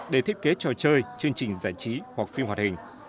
để thiết kế trò chơi chương trình giải trí hoặc phim hoạt hình